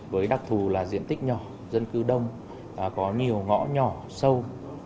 với đặc thù là diện tích nhỏ dân cư đông có nhiều ngõ nhỏ sâu